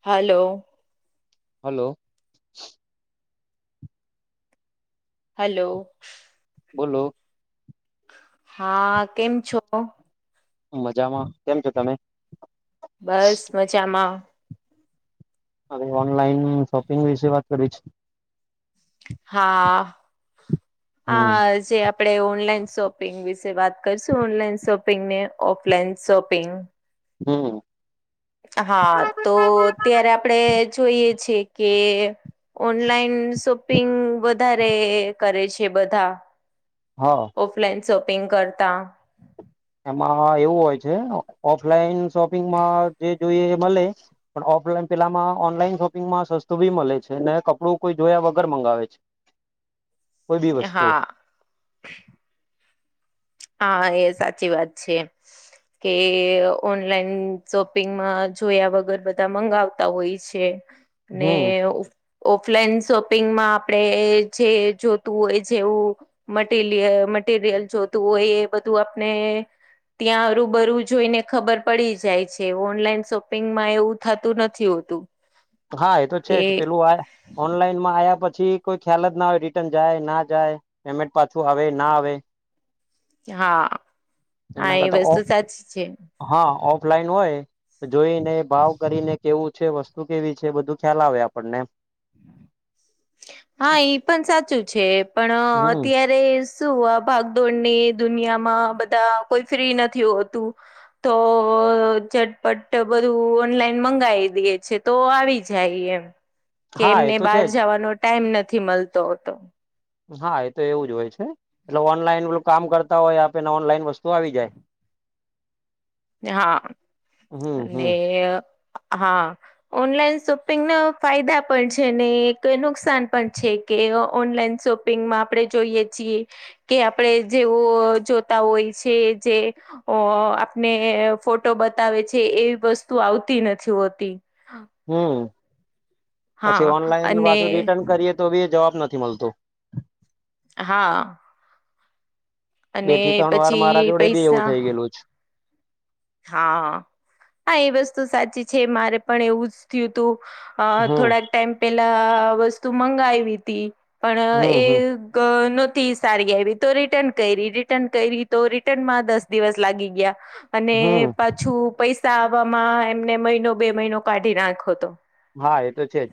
Hello. Hello. Hello. બોલો. હા કેમ છો? મજામાં કેમ છો તમે? બસ મજામાં. હવે ઓનલાઈન શોપિંગ વિશે વાત કરવી છ. હા હમ આ જે આપ પડે ઓનલાઈન શોપિંગ વિશે વાત કરશું ઓનલાઈન શોપિંગ ને ઓફલાઈન શોપિંગ. હમ્મ. હા તો અત્યારે આપડે જોઈએ છીએ કે, ઓનલાઈન શોપિંગ વધારે કરે છે બધા. હા. ઓફલાઈન શોપિંગ કરતા. એમાં એવું હોય છે ઓફલાઈન શોપિંગમાં જે જોઈએ એ મલે. પણ ઓફલાઈન પેલામાં ઓનલાઈન શોપિંગમાં સસ્તું બી મળે છે ને કપડું કોઈ જોયા વગર મંગાવે છે. બધી વસ્તુઓ. હા હા એ સાચી વાત છે. કે ઓનલાઈન શોપિંગમાં જોયા વગર બધા મંગાવ, તા હોય છે ને હમ ઉ ઓફલાઈન શોપિંગમાં આપણે જે જોતું હોય. જેવું મટિલીયલ મટીરિયલ જોતું હોય. એ બધું આપણે ત્યાં રુબરું જોઈને ખબર પડી જાય છે. ઓનલાઈન શોપિંગમાં એવું થતું નથી હોતું. [inaudible] હા, એ તો છે કે જ પેલું આ ઓનલાઇન આયા પછી કોઈ ખ્યાલ જ ના હોય, રિટર્ન જાય ના જાય પેમેન્ટ પાછું આવે ના આવે હા, હા એના એ કરતા ઓ વસ્તુ સાચી છે. હા, ઓફલાઈન હોય જોઈને ભાવ કરીને કેવું વસ્તુ કેવી છે. બધું ખ્યાલ આવે આપણને એમ હા, ઈ પણ સાચું છે. પણ હમ અત્યારે અરે શું, આ ભાગદોડની દુનિયામાં બધા કોઈ ફ્રી નથી હોતું. તો ઝટપટ બધું ઓનલાઈન મંગાવી દીએ છે. તો આવી જાય એમ હા એ જેમને તો છે બહાર જ જવાનો ટાઈમ નથી મળતો હોતો. હા, એ તો એવું જ હોય છે. એટલે ઓનલાઈન એલું કામ કરતા હોય. આપેને ઓનલાઈન વસ્તુ તો આવી જાય. હા, હમ હમ ને હા ઓનલાઈન શોપિંગ ના ફાયદા પણ છે. એક નુકસાન પણ છે. કે ઓનલાઈન શોપિંગમાં આપણે જોઈએ છીએ. કે આપણે જેવો જોતા હોય છે. જે અ ને ફોટો બતાવે છે. એવી વસ્તુ આવતી નથી હોતી હમ્મ, પછી હા ઓનલાઈન અને પાછુ રિટર્ન કરીએ. તો બી જવાબ નથી મળતો હા. બે અને થી ત્રણ વાર મારા પછી જોડે બી એવું પૈસા થઈ ગયેલુ જ છે. હા, હા એ વસ્તુ સાચી છે. મારે પણ એવું જ થયું તું હમ થોડાક ટાઈમ પેલા વસ્તુ મંગાવીતી પણ હમ એ હમ ન હોતી સારી આવી તો રિટર્ન કરી, રિટર્ન કરી તો રિટર્નમાં દસ દિવસ લાગી ગયા અને હમ પાછું પૈસા આવવામાં એમને મહિનો બે મહિનો કાઢી નાયખો હતો. હા, એ તો છે જ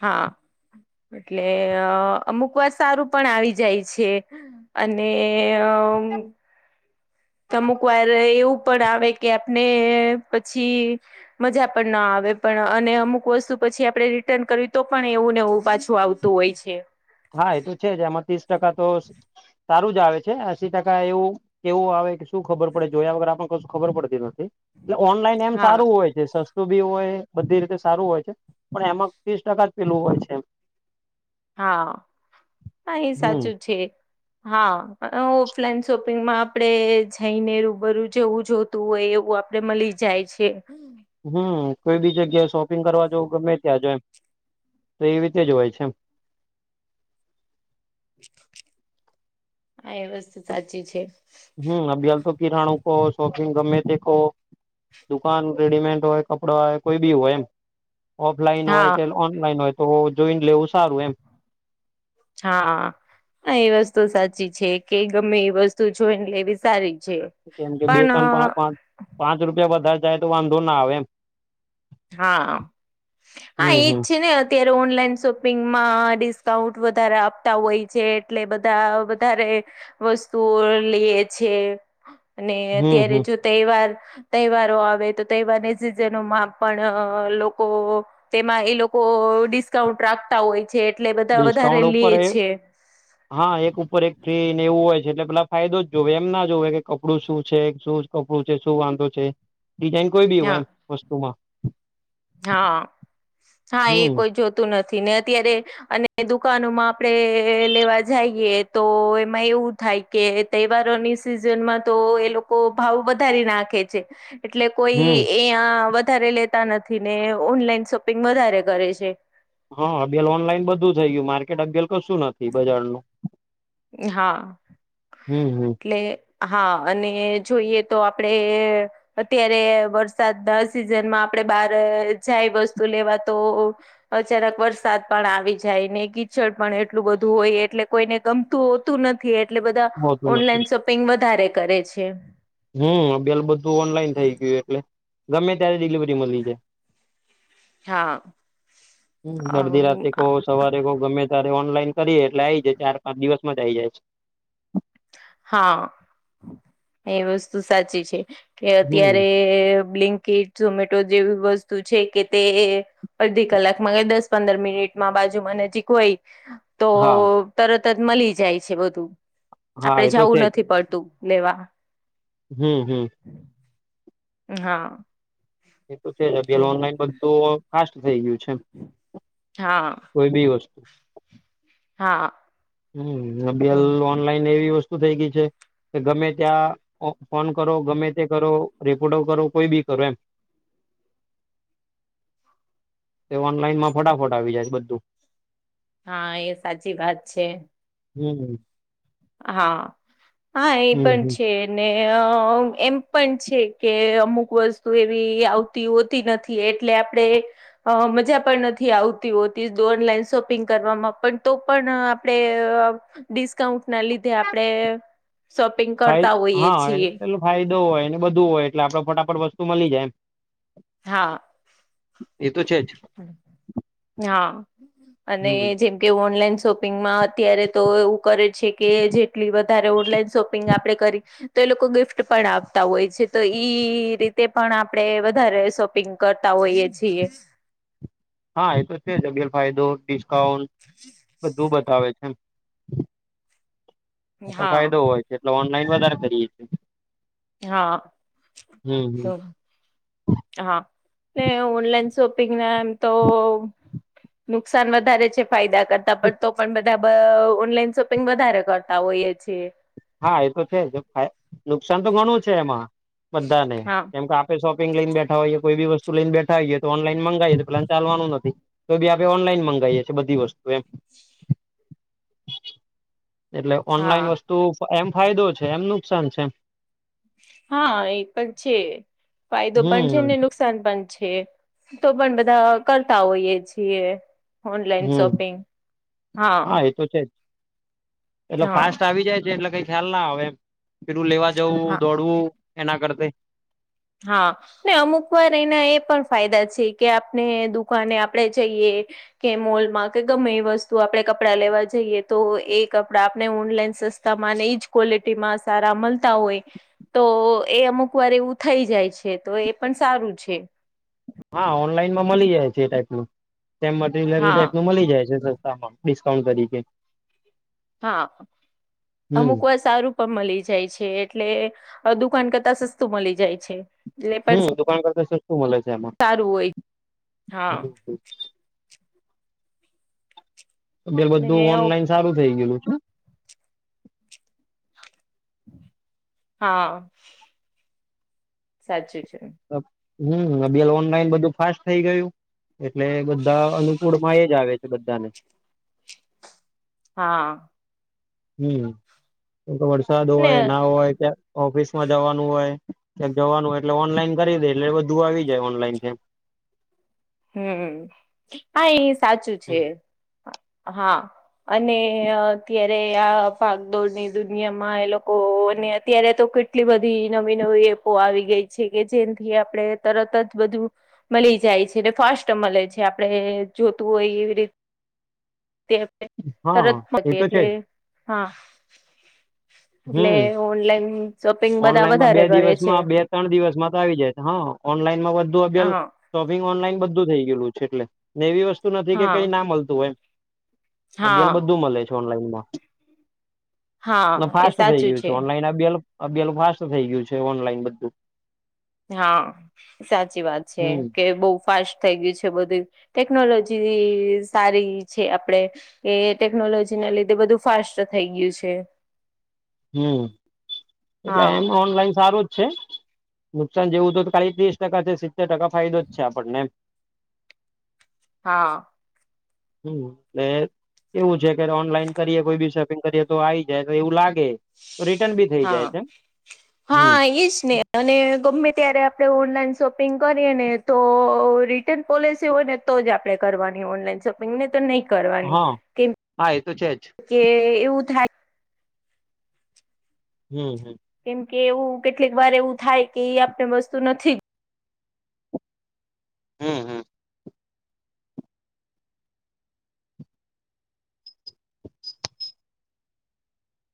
હા, એટલે અમુક વાર સારું પણ આવી જાય છે. અને અહ અમુક વાર એવું પણ આવે કે આપને પછી મજા પણ ન આવે પણ અને અમુક વસ્તુ પછી આપણે રિટર્ન કર્યું. તો પણ એવું એવું પાછું આવતું હોય છે. હા, એ તો છે જ એમાં ત્રીસ ટકા તો સારું જ આવે છે. એસી ટકા એવું કેવું આવે કે શું ખબર પડે. જો એ આ વગર આપને કશું ખબર પડતી નથી. એટલે ઓનલાઈન એમ હા સારું હોય છે. સસ્તું સસ્તું બી હોય બધી રીતે સારું હોય છે. પણ એમાં ત્રીસ ટકા પેલું હોય છે એમ. હા, હા એ હમ સાચું જ છે. હા, પણ ઓફલાઈન શોપિંગમાં આપણે જઈને રૂબરૂ જેવું જોતુ હોય એવું આપડે મળી જાય છે. હમ્મ, કોઈ બી જગ્યાએ શોપિંગ કરવા જોવું, ગમે ત્યાં જો એમ તો એવી રીતે જ હોય છે એમ. હા, એ વસ્તુ સાચી છે. હમ્મ, [unintelligible] તો ફિરાણુ કો શોપિંગ ગમે તે કો દુકાન રેડીમેડ હોય કપડાં હોય કોઈ બી હોય એમ. ઓફલાઈન હોય હા કે ઓનલાઈન હોય તો જોઈન લેવું સારું એમ. હા એ વસ્તુ સાચી છે કે ગમે એ વસ્તુ જોઈન લેવી સારી. છે કેમ કે બે પણ ત્રણ પાંચ પાંચ રૂપિયા વધારે જાય તો વાંધો ના આવે એમ. હા, હા હમ એ જ હમ છે ને અત્યારે ઓનલાઈન શોપિંગમાં ડિસ્કાઉન્ટ વધારે આપતા હોય છે એટલે બધા વધારે વસ્તુઓ લે છે અને હમ અત્યારે હમ જો તહેવાર તહેવારો આવે તહેવારને સીજનોમાં પણ લોકો તેમાં એ લોકો ડિસ્કાઉન્ટ રાખતા હોય છે એટલે બધા વધારે ડિસ્કાઉન્ટ લે ઉપર એ છે. હા એક ઉપર એક ફ્રી ને એવું હોય છે એટલે પેલા ફાયદો જ જોવે એમ ના જોવે કે કપડું શું છે શું કપડું છે શું વાંધો છે ડિઝાઇન કોઈ બી હોય હા એમ વસ્તુમાં. હા, હા એ હમ કોઈ જોતું નથી ને અત્યારે અને દુકાનોમાં આપડે લેવા જાયએ તો એમાં એવું થાય કે તહેવારોની સિઝનમાં તો એ લોકો ભાવ વધારી નાખે છે. એટલે કોઈ હમ એયા વધારે લેતા નથી ને ઓનલાઈન શોપિંગ વધારે કરે છે. હ અભીહાલ ઓનલાઈન બધું થઈ ગયું માર્કેટ અગેલ કશું નથી બજારનુ. હા, હમ એટલે હા અને જોઈએ તો આપડે અત્યારે વરસાદના સિઝનમાં આપડે બાર જાય વસ્તુ લેવા તો અચાનક વરસાદ પણ આવી જાય ને કીચડ પણ એટલું બધું હોય એટલે કોઈને ગમ તું હોતું નથી એટલે બધા હોતું નથી ઓનલાઈન શોપિંગ વધારે કરે છે. હમ્મ, અબયાલ બધું ઓનલાઈન થઈ ગયું એટલે ગમે ત્યારે ડિલિવ રી મલી જાય, હા અડધી રાતે કો સવારે કો ગમે ત્યારે ઓનલાઈન કરીએે એટલે આઈ જાય ચાર-પાંચ દિવસમાં જ આ આઈ જાય છે. હા એ વસ્તુ સાચી છે કે હમ અત્યારે બ્લિંકીટ, ઝોમેટો જેવી વસ્તુ છે કે તે અડધી કલાકમાં કે દસ પંદર મિનિટમાં બાજુમાં નજીક હોય તો હા. તરત જ મલી જાય છે બધું હા આપડે એ તો છે જાવું નથી પડતું લેવા. હમ્મ હમ્મ. હા. એ તો પે તો પેલો ઓનલાઈન બધું ફાસ્ટ થઈ ગયું છે, એમ. હા. કોઈ બી વસ્તુ. હા. હમ્મ, તો અભીહાલ ઓનલાઈન એવી વસ્તુ થઈ ગઈ છે કે ગમે ત્યાં ફોન કરો ગમે તે કરો રેકોર્ડો કરો કોઈ બી કરો એમ. તે ઓનલાઈનમાં ફટાફટ આવી જાય છે, બધું. હા, એ સાચી વાત છે. હમ્મ. હા, હા એ હમ પણ હમ છે. અને એમ પણ છે કે અમુક વસ્તુ એવી આવતી... હોતી નથી એટલે આપણેે અ મજા પણ નથી આવતી હોતી જો ઓનલાઈન શોપિંગ કરવામાં પણ તો પણ આપણે... ડિસ્કાઉન્ટ ના લીધે આપણેે શોપિંગ ફાય કરતા હોઈએ હા છીએ. એટલે ફાયદો હોય ને બધું હોય એટલે આપડે ફટાફટ વસ્તુ મળી જાય એમ. હા. એ તો છે જ. હા, અને હમ જેમ કે ઓનલાઈન શોપિંગમાં અત્યારે તો એવું કરે છે કે જેટલી વધારે ઓનલાઈન શોપિંગ આપણે કરી... તો એ લોકો ગિફ્ટ પણ આપતા હોય છે. તો ઈ રીતે પણ આપણે વધારે શોપિંગ... કરતા હોઈએ છીએ. હા, એ તો છે જ ઘેર ફાયદો, ડિસ્કાઉન્ટ બધું બતાવે છે. એટલો ફાયદો હા હોય છે, એટલે ઓનલાઈન વધારે કરીએે છીએ. હા. હમ [inaudible] હમ તો, હા, ને ઓનલાઈન શોપિંગ ના તો... નુકસાન વધારે છે. ફાયદા કરતા પણ તો પણ બધા ઓનલાઈન શોપિંગ વધારે કરતા હોઈએ છીએ. હા, એ તો છે જ નુકસાન તો ઘણું છે, એમાં બધાને હા કેમ કે.. શોપિંગ લઈને બેઠા હોઈએ કોઈ બી વસ્તુ લઈને બેઠા હોઈએ તો ઓનલાઈન મંગાવીએ તો પ્લાન ચાલવા નો નથી. તો બી આપણે ઓનલાઈન મંગાવીએ છીએ બધી વસ્તુ એમ. [inaudible] એટલે હા ઓનલાઈન વસ્તુ એમ ફાયદો છે, એમ નુકસાન છે એમ. હા, એ પણ છે, ફાયદો પણ છે હમ નુકસા નુકસાન પણ છે, તો પણ બધા કરતા હોઈએ છીએ. ઓનલાઈન હમ શોપિંગ, હા. એ તો છે જ. એટલે હા ફાસ્ટ આવી જાય છે, એટલે કઈ ખ્યાલ ના આવે એમ. પેલું લેવા જવું, હા દોડવું... એના કરતે. હા. ને અમુક વાર એના એ પણ ફાયદા છે કે આપણે દુકાને આપણેે જઈએ. કે મોલમાં કે ગમે એ વસ્તુ આપણે કપડાં લેવા જઈએ. તો એ કપડા આપણે ઓનલાઈન સસ્ સસ્તા માં ને ઈજ ક્વોલિટીમાં સારા મળતા હોય. તો એ અમુક વાર એવું... થઈ જાય છે, તો એ પણ સારું છે. હા, ઓનલાઈનમાં મળી જાય છે એ ટાઈપનું તેમ મટરિયલરી એ હા ટાઈપનું મળી જાય છે. તામાં ડિસ્કાઉન્ટ તરીકે. હા, હમ અમુક વાર સારું... પણ મળી જાય છે, એટલે દુકાન કરતા સસ્તું મળી જાય છે. હમ પણ દુકાન કરતા શ શું મળે છે એમાં. સારું હોય હા બે ને બધું ઓનલાઈન સારું થઈ ગયલું છે. હા. સાચી છે. હમલ ઓનલાઈન બધું ફાસ્ટ થઈ ગયું એટલે બધા અનુકૂળ હોય એ. ઝા આવે છે બધા ને. હા. હમ વરસાદ ને હોય ના હોય ક્યા. ઓફિસમાં જવાનું હોય કયાક જવાનું હોય એટલે ઓનલાઈન કરી દે એટલે બધું આવી જાય ઓનલાન પે હમ્મ, હા એ સાચું છે હા અને અત્યારે આ ભાગ કદોડની દુનિયામાં એ લોકો અત્યારે તો એટલી બધી નવી નવી એપો આવી ગઈ છે કે જેથી આપણે તરત જ બધું. મળી જાય છે, ટલે ફાસ્ટ મળે છે, આપડે જોતું હોય એવી રીતે. તે હા તરત એ ફકી તો છે એટલે હા. એટલે હમ્મ, ઓનલાઈન શોપિંગ બધા ઓનલાઈનમાં બે વધારે કરે છે દિવસમાં બે ત્રણ દિવસમાં તો આવી જાય. હા ઓનલાઈન માં વધુ અભલ હા શોપિંગ ઓનલાઈન બધું થઈ ગયેલું છે એટલે ને એવી વસ્તુ નથી કે હા કઈ ના મળતું હોય. એમ હા બેલ બધું મળે છે, ઓનલાઈનમાં હા એ ફાસ્ટ થઈ સાચું ગયું છે ઓનલાઈન આ બેલ બેલ ફાસ્ટ થઈ ગયું છે ઓનલાઈન બધું. હા સાચી વાત છે, હમ કે બહુ ફાસ્ટ થઈ ગયું છે, બધું ટેકનોલોજી સારી છે, આપડે એ ટેકનોલોજીને લીધે બધું ફાસ્ટ થઈ ગયું છે. હમ્મ, એટલે હા એમ ઓનલાઈન સારું જ છે. નુકસાન જેવું હતું તો ખાલી ત્રીસ ટકા છે સિત્તેર ટકા ફાયદો છે, આપણને હા, હમ્મ, એ એવું છે કે ઓનલાઈન કરીએ કોઈ બી શોપિંગ કરીએ તો આવી જાય તો એવું લાગે. રિટન બી થઇ જાય છે, હમ્મ ઈજ ને અને ગમે ત્યારે આપણે ઓનલાઈન શોપિંગ કરીએ ને તો રી ટન પોલિસી હોય ને તો જ આપણે કરવાની ઓનલાઈન શોપિંગ ને તો નહી કરવાની હા કેમ હા એ તો છે જ કે એવું થાય. હમ્મ, હમ્મ કેમ કે એવું કેટલીક વાર એવું થાય કે એ આપને વસ્તુ નથી. હમ્મ, હમ્મ